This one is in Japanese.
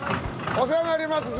お世話になります。